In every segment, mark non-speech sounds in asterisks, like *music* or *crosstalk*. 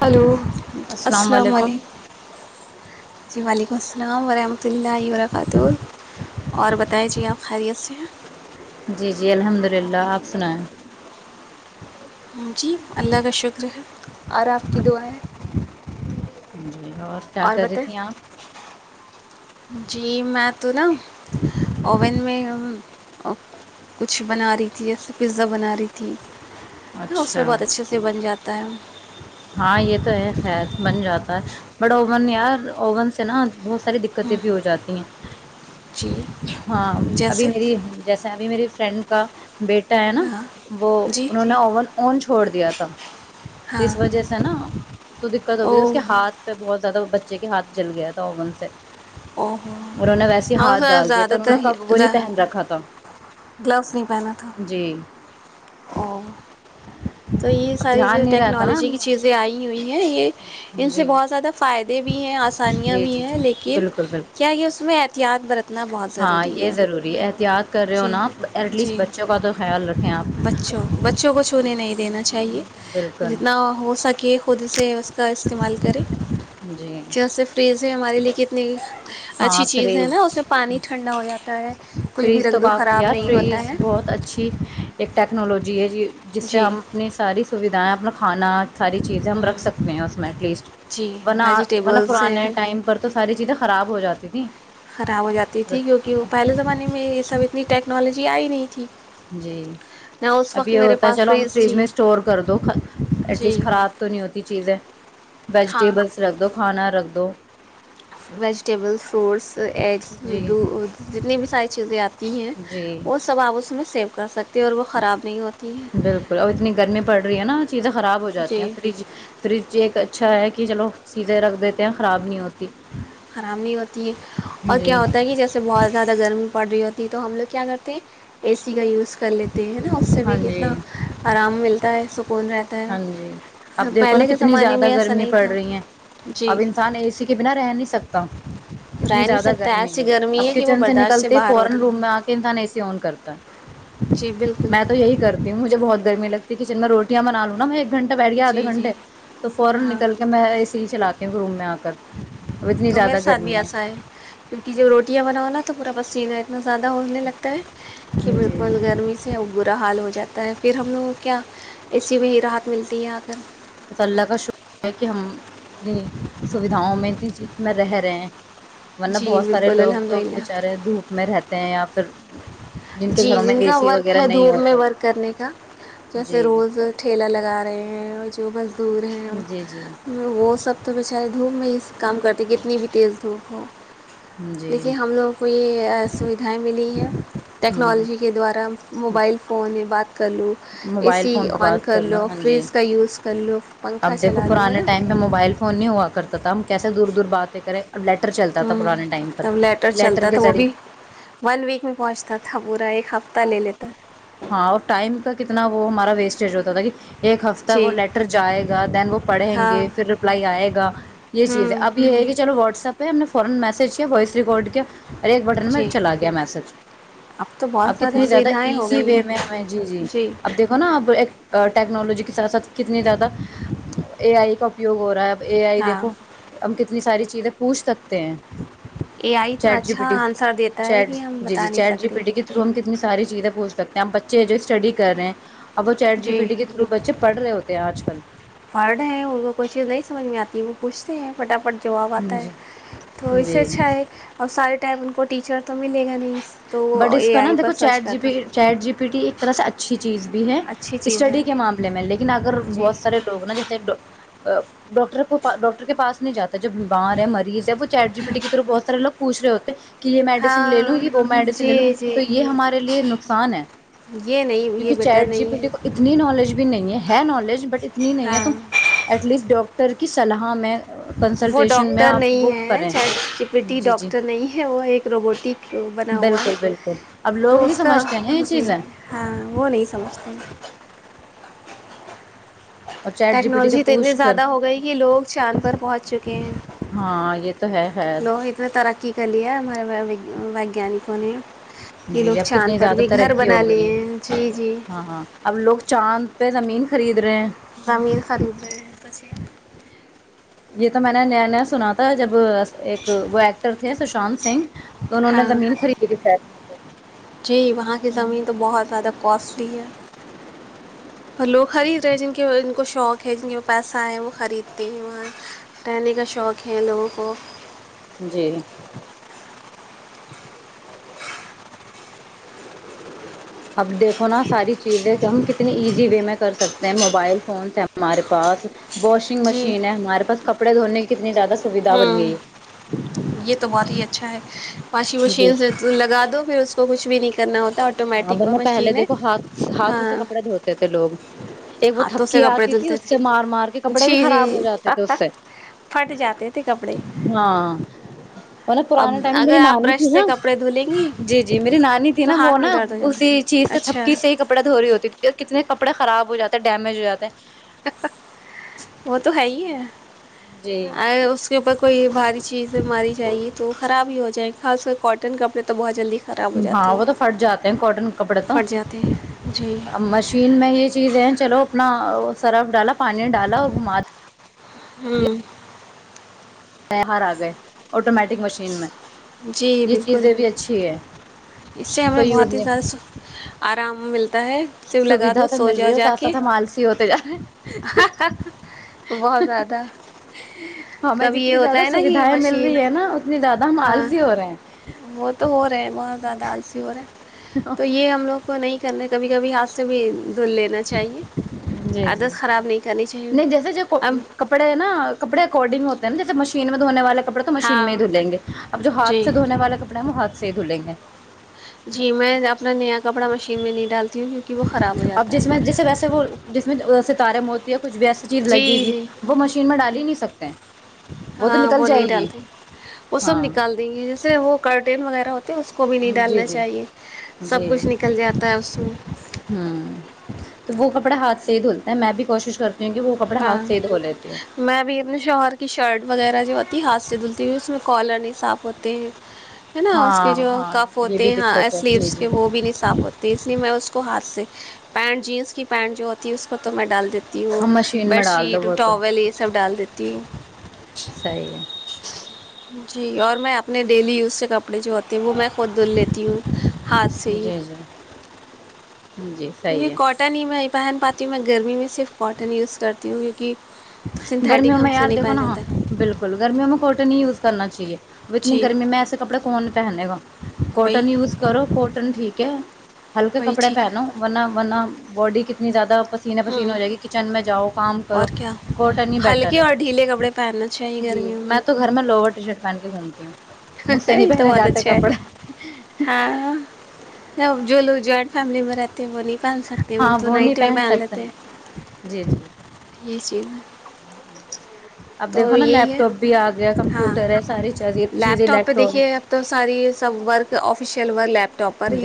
hello السلام علیکم جی وعلیکم السلام ورحمۃ دلہہ عورہ کاتور اور بتائی جے آپ خیریت سے ہیں جی جی الحمد للہ آپ سنائیں جی اللہ کا شکر ہے عر آپ کی دعائیں جی کیا اور کر رہی بت تھیں آپ جی میں تو نا اوون میں ہ کچھ بنا رہی تھی جسے پیزا بنا رہی تھی اس اچھا میں بہت اچھے سے بن جاتا ت ہاں یہ تو ہے خیر بن جاتا ہے بٹ اوون یار اوون سے نا بہت ساری ہم، دقتیں بھی ہو جاتی ہیں جی ہاں ابھی جیسے میری جیسے ابھی میری فرینڈ کا بیٹا ہے نا ہاں وہ جی انہوں نے اوون ا چھوڑ دیا تھا تو ہاں اس وجہ سے نا تو دقت او ہوگئی تھی اس کے ہاتھ پہ بہت ز بچے کے ہاتھ جل گیا تھا اوون سے او ہو انہوں نے ویسے ہی ہاں اس ہاتھ کا ڈال دیا تو زیادہ انہوں تر نے کب وہ نہیں پہن رکھا تھا جی ا *unintelligible* تو یہ اب ساری جو دھیان نہیں ٹیکن رہتا کالوجی نا کی چیزیں آئی ہوئی ہیں یہ ان سے جی بہت زیادہ فائد بھی ہیں آسانیاں جی بھی جی ہیں جی لیکن بالکل بالکل کیا یہ اس میں احتیاط برتنا بہت ہاں ضروری یہ ہے ضروری ہے احتیاط کر رہے ہو جی نا آپ ایٹ لیسٹ جی بچوں کا تو خیال رکھیں آپ بچوں بچوں کو چھونے نہیں دینا چاہیے بالکل جتنا ہو سکے خود سے اس کا استعمال کریں جی جسے فریز ہے ہمارے لیک کتنی اچھی چیز ہے نا اس میں پانی ٹھنڈا ہو جاتا ہے کچھ بھی فریج رکھ تو دو کافی خراب یار نہیں ہوتا فریز ہے بہت اچھی ایک ٹیکنالوجی جی جی جس سے جی ہم اپنی ساری سویدھائیں اپنا کھانا ساری چیزیں ہم ہوں رکھ سکتے ہیں اس میں ایٹ لیسٹ جی ورن نہ ویجیٹیبلس پرانے ہیں ٹائم پر تو ساری چیزیں خراب ہو جاتی تھی خراب ہو جاتی تھی کیونکہ کی پہلے زمانے میں یہ سب اتنی ٹیکنالوجی آئی نہیں تھی جی نہ اس اب وقت یہ میرے ہوتا ہے پاس چلو ہم فریج تھی میں اسٹور کر دو ایٹ جی لیسٹ خراب تو نہیں ہوتی چیزیں ہاں ویجٹیبلس رکھ دو کھانا رکھ دو دو ویجیٹیبل فروٹس ایگس جی جتنی بھی ساری چیزیں آتی ہیں جی وہ سب آپ اس میں سیو کر سکتے ہیں اور وہ خراب نہیں ہوتی ہیں بالکل اب اتنی گرمی پڑ رہی ہے نا چیزیں خراب ہو جاتی ہیں جی فریج فریج ایک اچھا ہے کہ کہ چلو چیزیں رکھ دیتے ہیں خراب نہیں ہوتی خراب نہیں ہوتی ہے اور جی کیا ہوتا ہے کہ جیسے بہت زیادہ گرمی پڑ رہی ہوتی تو ہم لوگ کیا کرتے ہیں اے سی کا یوز کر لیتے ہیں نا اس سے بھی ہاں جی کتنا آرام ملتا ہے س ہاں جی اب دیکھو نا کے کتنی زمانے زیادہ میں ایسا گرمی نہیں پڑ تھا رہی ہے جی اب انسان اے سی کے بنا رہ نہیں سکتے کتا اتنی رہ نہیں زیادہ سکتا گرمی ایسی ہے گرمی اب کہ وہ کچن سے برداشت نکلتے باہر ہو فورن رہی روم ہے میں آ کے انسان ایسے س اون کرتا جی بالکل میں تو یہی کرتی ہوں مجھے بہت گرمی لگتی کچن میں روٹیاںناالوں نم انڈا بیریا ادھے جی جی گھنٹے تو فورا ہاں نکل کے میں اسے ہی چلاتی کیونکہ روم میں آ کر اب اتنی تو میرے زیادہ ساتھ بھی گرمی ایسا ہے کیونکہ جب روٹیاں بناؤ نا تو پورا پسینہ ہے اتنا زیادہ ہونے لگتا ہے کہ جی بالکل گرمی سے ا برا حال ہو ج جاتا ہے پھر ہم لوگوں کیا اے سی میں ہی راحت ملتی ہے آ کر بس اللہ کا شکر ہے کہ ہم اتنی سویدھاؤں میں اتنی چیز میں رہ رہے ہیں ورنہ جی بہت سارے بالکل لوگ الحمد تو للہ بچارے دھوپ میں رہتے ہیں یا پھر کے جی گھروں میں جن اے کا سی ورک وغیرہ ہے نہیں دھوپ میں ہوتا ورک کرنے کا جیسے جی روز ٹھیلہ لگا رہے ہیں ٹیوبل دور ہیں جی جی وہ سب تو ب شا دھووم میں ہی کام کرتے کتنی بھی تیز دھوپ ہو جی دیکھیے ہم لوگوں کو یہ سویدھائیں ملی ہیں ہ ٹیکنالوجی کے دوارا موبائل فون بات کر لوں اے موبائل سی فون پہ آن بات کر لو ہاں جی فریج کا یوز کر لو اب پنکھا چلا لوں ہے نا تتا ہم کیسے دور دور باتیں کریں اب لیٹر چلتا ہ تھا پرانے ٹائم پر تب لیٹر کہ چلتا کے تھا وہ ذریعے بھی ون ویک میں پہنچتا تھا پورا ایک ہفتہ لے لیتا ہاں اور ٹائم کا کتنا وہ ہمارا ویسٹیج ہوتا تھا کہ ایک ہفتہ وہ جی لیٹر جائے گا دین وہ پڑھیں ہاں گے پھر رپلائی آئے گا یہ چیزیں ہوں اب یہ ہے کہ چلو واٹسپ پ ہم نے فورا میسج کیا وائس ریکارڈ کیا ارے ایک بٹن میں جی چلا گیا میسج اب تو بہت آپ کتنی زیادہ سویدھائیں ای ہو جی گئی و میں ہیں ہمیں جی جی اب دیکھو نا اب ایک ٹیکنالوجی کے ساتھ ساتھ کتنی زیادہ اے آئی کا اپیوگ ہو رہا ہے اے آئی ہاں دیکھو اب کتنی ساری چیزیں پوچھ سکتے ہیں اے آئی اتنا چیٹ جی پی اچھا ٹی آنسر دیتا ہے چیٹ کہ ہم جی بتا جی نہیں چیٹ جی سکتے پی ٹی کے تھرو ہم کتنی ساری چیزیں پوچھ سکتے ہیں ہم بچے جو اسٹڈی کر رہے ہیں اب چٹ جی ٹی کے تھرو بچے پڑ رہے ہوتے آج کل پڑھ ہیں ان کو کوش چیز نہیں سمجھ میں آتی وہ پوچھتے ہیں پٹافٹ جو آب آتا ہے جی تو اس سے جی اچھا ہے اور سائڈ ٹائپ ان کو ٹیچر تو ملے گا نہیں تو بٹ وہ اس اے کا نا آئی پر دیکو سرچ چٹ ج کرتے پ چٹ جی پی ٹی ایک طرح سے اچھی چیز بھی ہے اچھی چیز ہے اسٹڈی کے معاملے میں لیکن اگر جی بہت سارے لوگ نا جیسے ڈاکٹر کو ڈاکٹر کے پاس نہیں جاتا جو بیمار ہے مریض جب چار جی یکے تو بہ سا لو پوچھ رہے ہوتے کہ یہ میڈیسن لے ہاں لو گی میڈیسن لے لوں جی جی تو یہ ہمارے لیے نقصان ہے یہ نہیں یہ کیونکہ بیٹر چیڈ جی نہیں پی ٹی کو ہے اتنی نالج بھی نہیں ہے ہے نالج بٹ اتنی نہیں ہے ت ہاں ایٹ لیسٹ ڈٹر تر کیی صلاحہ میں وہ کنسلٹیشن میں ڈاکٹر آپ نہیں وہ ہے کریں چاہے چپٹی جی جی ڈاکٹر نہیں ہے وہ ایک روبوٹک بنا ہوا ہے بالکل بالکل اب لوگ تو نہیں اس کا سمجھتے نا یہ جی چیزیں اور ہاں وہ نہیں سمجھتے ہیں چیٹ جی پی ٹی سے ٹیکنالوجی تو اتنی پوچھ کر زیادہ ہو گئی کہ لوگ چاند پر پہنچ چکے ہیں ہاں یہ تو ہے خیر لوگ اتنا ترقی کر ل ہے ہمارے وجان کو نے یہ جی لوگ جب چاند کتنی پر زیادہ بھی گھر ترقی بنا ہو لیے گئی ہے ہیں جی جی ہاں ہاں اب لوگ چاند پ زمین خرید رہے ہیں امیر خرید پچے یہ تو میں نے نیا نیا سنا تھا جب ایک وہ ایککٹر ششانت سنھگ ہاں جی وہاں کی زمین تو بہت زیادہ کوسٹلی ہے پر لوگ خرید رہے ہیں جن کے ج کو شوق ہے جن کے وہ پیسہ ہے وہ خریدتے ہیں وہاں رہنے کا شوق ہے لوگوں کو جی اب دیکھو نا ساری چیزیں تو ہم کتنی ایزی وے میں کر سکتے ہیں موبائل فونس ہمارے پاس واشنگ جی مشین ہے ہمارے پاس کپڑے دھونے کی کتنی زیادہ سویدھا بن ہوں گئی یہ تو بہت ہی اچھا ہے واشنگ ہے جی مشین سے لگا دو پھر اس کچھ بھی نہیں کرنا ہوتا ہاں آٹومیٹک وہ ورنہ پہلے مشین ہے دیکھو ہاتھ ہاتھوں سے ہاں کپڑے دھوتے تھے لوگ ایک وہ ہاتھوں سے تھپکی کپڑے آتی تھی دھلتے اس تھے سے مار مار کے جی کپڑے بھی جی خراب ہو جاتے تھے اس جی سے پھٹ جاتے تھے کپڑے ہاں اور نا اب پرانے ٹائم میں اگر میری آپ نانی برش تھی سے نا کپڑے دھلیں گی جی جی میری نانی تھی تو نا وہ ہاتھ میں نا درد ہو جاتا ہے سی چیز سے اچھا تھپکی سے ہی کپڑا دھو رہ ہوتی تھی اور کتنے کپڑے ڑ خراب ہو جاتے ہیں ڈیمیج ہو جاتے ہیں وہ تو ہے ہی ہے ا جی اس کے اوپر کوئی بھاری چیز ماری جائے گی تو وہ خراب ہی ہو ج جی خاص کااٹن کپڑے تو بہت جلدی خراب ہو ہاں جاتے وہ تو ہیں پھٹ جاتے ہیں کاٹن کپڑے تو پھٹ جاتے ہیں جی مشین میں یہ چیز ہے چلو اپنا سرف ڈالا پانی ڈالا اور گا ہوں ہار آ گئے آٹومیٹک مشین میں جی یہ بالکل چیزیں بھی اچھی ہے اس سے ہمیں کوئی بہت یوز ہی نہیں زیادہ آرام ملتا تا ہے س لگا دو سویدھا تو مل سوجا رہی ہے جا ساتھ کے ساتھ ہم آلسی ہوتے جا رہے ہیں بہت زیادہ ہمیں کبھی یہ جتنی زیادہ ہوتا ہے نا کہ سویدھائیں مل مشین رہی ہے نا اتنی زیادہ ہم ہاں آلسی ہو رہے ہیں وہ تو ہو رہا ہے بہت زیادہ آلسی ہو رہا ہے تو یہ ہم لوگ کو نہیں کرنے کبھی کبھی ہاتھ سے بھی دھل لینا چاہیے جی جی عادت خراب نہیں کرنی چاہیے نہیں جیسے جو اب کپڑے ہیں نا کپڑے اکارڈنگ ہوتے جیے مشین میں دونے والے پڑ تو مشین میں ہاں ہی دلیں گےب جو ہاتھ جی سے دھنے والے کپڑے ہیں وہات سے سے دولینگے جی میں اپنا نیا کپڑا مشین میں نہیں ڈالتا اب جس میں جیسے ویسے وہ جس میں جسے تارے موتییا کچھ بھی ایسی چیز جی لگی ہوئی جی وہ مشین میں ڈال ہی نہیں سکتے *unintelligible* تو ہاں نکل وہ نہیں جائے گی ڈالتے وہ سب ہاں نکال دیں گے جیسے وہ کرٹین وغیرہ ہو پ اس کو بھی نہیں جی ڈالنا جی چاہیے سب جی کچھ نکل جاتا ہے اس میں اپڑ ہاتھ سے ہی دھلتا ہے میں بھی کوشش کرتا ہاں میں بھی اپنے شوہر کی شرٹ وغیرہ جو وتی ہاد سے تو اس میں کالر نہیں صاف ہوتے ہیں ہے نا اس کے ہاں جو ہاں کف یہ بھی ہوتے ہیں دقت ہے جی سلیوس جی کے وہ بھی نہیں صاف ہوتے اس لیے میں اس کو ہاتھ سے پینٹ جینس کی پینٹ جو ہوتی ہے اس کو تو میں ڈال دیتی تو وہ ہم مشین بیڈ میں ڈال دو شیٹ وہ تو ٹاول یہ سب ڈال دیتی صحیح ہے جی اور میں اپنے ڈیلی یوز سے کپڑے جو ہوتے ہیں وہ میں خود دھل لیتی ہوں ہاتھ سے ہی جی جی جی کیونکہ صحیح ہے کاٹن ہی میں ہی پہن پاتی ہوں میں گرمی میں صرف کاٹن یوز کرتی ہ ہوگی گرمیوں میں یار دیکھو نا ہاں جاتا بالکل گرمیوں میں کوٹن ہی یز کرنا چاہیے اب اتنی جی گرمی میں ایسے کپڑے کون پہنے گا وہی کوٹن یوز کرو پٹن ٹھیک ہے ہلکے وہی کپڑے ٹھیک ہے پہنو ورنا ورنا باڈی کتنی زیادہ پسینے پسینے ہوں ہو جائے گی کچن میں جاؤ کام کرو اور کیا کوٹنی بیٹر ہلکے ہے اور ڈھیلے کپڑے پہننا چاہیے جی گرمیوں میں تو گھر میں لوور ٹی شرٹ پہن گھومتی ہوں مجھ سے نہیں یہ تو پہنے بات چ جاتے کپڑے ہاں جلو جٹ فیملی مبر آتے ہیں بولی پہن سکتے وہ ہاں تو نہیں نائٹ میں پہن سکتے لیتے جی جی یہی چیز ہیں اب دیکھو نا لیپٹاپ بھی آ گیا ہاں کمپیوٹر ہے ساری چ لیپ ٹاپ پہ دیکھیے اب تو ساری سب ورک آفیشل وا لپ د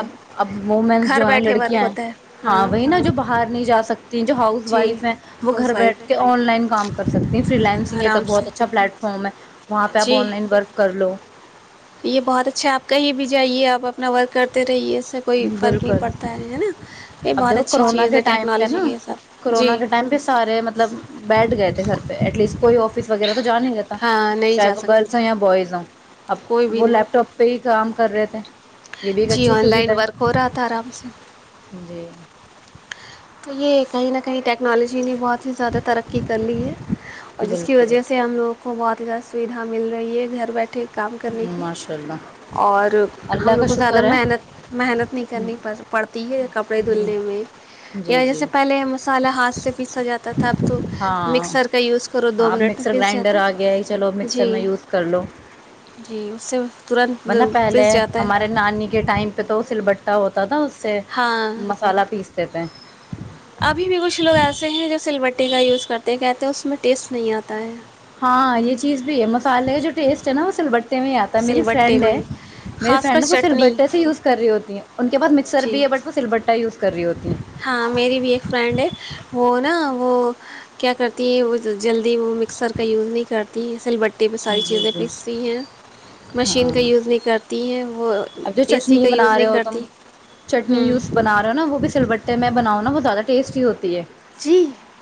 اب اب وومینس جو گھر ہیں بیٹھے لڑکیاں ورک ہیں ہوتا ہے ہاں وہی نا جو باہر نہیں جا سکتی جو ہاؤس جی وائف ہے وہ گھر ہاؤس وائف بیٹھ ہے کے آن لائن کام کر سکتی ہیں فری لائنسنگ ایک آرام سے بہت اچھا پلیٹ فارم ہے وہاں پہ آپ جی آن لائن ورک کر لو یہ بہت اچھا آپ کہیں بھی جائیے آپ اپنا ورک کرتے رہیے سے کوئی فرق بالکل نہیں پڑتا ہے ہے نا یہ اب بہت دیکھو اچھی کرونا چیز کے ہے ٹائم پہ ٹیکنالوجی نا کے حساب کرونا جی کے ٹائم پہ سارے مطلب بیٹھ گئے تھے گھر پہ ایٹ لیسٹ کوئی آف آفس وغیرہ تو جانا ہی رہا ہاں نہیں چاہے جا وہ سکتے گرلس ہ یا بوائز ہوں اب کوئی بھی وہ لیپ نہیں ٹاپ پہ ہی کام کر رہے تھے یہ بھی ایک جی اچھی آن لائن سویدھا ہے ورک ہو رہا تھا آرام سے جی تو یہ کہیں نہ کہیں ٹیکنالوجی نے بہت زیادہ ترقی کر لی ہے اور جس کی بالکل وجہ سے ہم لوگوں کو بہت اا سویدھا مل رہی ہے گھر بیٹھے کام کرنے کی ماشاء اللہ اور ہم اللہ لوگ کا کو زیادہ شکر ہے محنت محنت نہیں کرنی پڑتی ہے کپڑے دھلنے میں جی یا جیسے جی پہلے مسالحہ ہاتھ سے پیسا جاتا تت ہاں ہاں اب منٹ میں مکسر پس گرائنڈر جاتا ہے آ گیا چلو مکسر جی میں یوز کر لو جی اس سے ترنت نہ پہلے پس جاتا ہمارے ہے نانی کے ٹائم پہ تو سل بٹا ہوتا تھا اس سے ہاں مسالہ پیس دیتے ہیں ابھی بھی کچھ لوگ ایسے ہیں جو سل بٹی کا یوز کرتے کہتے ہیں اس میں ٹیسٹ نہیں آتا ہے ہاں یہ چیز بھی ہے مسالحے کا جو ٹیسٹ ہے نا وہ سل بٹ میں آتا ہے میری سلبٹے فرینڈ ہے میں میری خاص کر فرینڈ ہے وہ سر چٹنی بٹے سے یوز کر رہی ہوتی ہیں ان کے پاس م جی سربی ہے بٹ وہ سل بٹا یز کر رہی ہوتی ہیں ہاں میری بھی ایک فرینڈ ہے وہ نا وہ کیا کرتی ہے وہ جلدی وہ مکسر کا یوز نہیں کرتی ب پٹی میں ساری جی چیزیں جی پیستی ہیں مشین ہاں کا یوز نہیں کرتا ت اب جو چٹنی بنا رہے ہو تم چٹنی ہوں یوز بنا رہے ہو نا وہ بھی سل بٹ ت میں بؤا بت زیادہ ٹیسٹی ہوتی ہے جی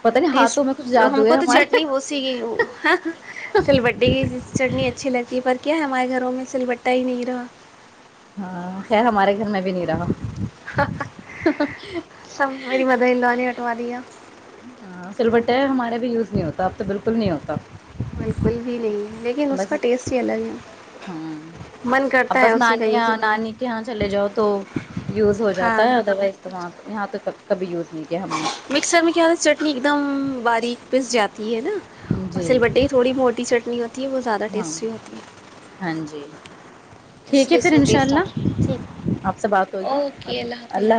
پتہ نہیں ٹی ہاتھوں میں کچھ ہم جادو ہے کو تو ہمارے چٹنی بت سی سل بڈی کی چٹنی اچھی لگتی ہے پر کیا ہے ہمارے گھروں میں سل بٹا ہی نہیں رہا ہاں خ ہمارے گھر میں بھی نہیں رہا سب میری مدر لو نے ہٹوا دی ہے ہاں سلبٹے ہمارے یوز نہیں ہوتا اب تو بالکل نہیں ہوتا بالکل بھی نہیں لیکن اس بس کا ٹیسٹ ہی الگ ہے ہ من ا کرتا ہے بس اسی کا نانی یوز نانی کے یہاں چلے جاؤ تو یوز ہو جاتا ہاں ہے ادر وائز تو وہاں یہاں تو کب یوز نہیں کیا ہم نے مکسر میں کیا حالا چٹنی ایک دم بارییک پس جات ہے نہ اور جی سل بٹے کی تھوڑی موٹی چٹنی ہوتی ہے وہ زیادہ ہاں ٹیسٹی ہوتی ہے ہاں جی اس ٹھیک ہے لیے اس پھر میں ان شاء ٹیسٹ آتا اللہ ہے ٹھیک آپ سے بات ہوگی اوکے اللہ حافظ